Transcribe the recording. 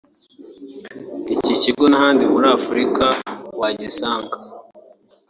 Iki kigo nta handi muri Afurika wagisanga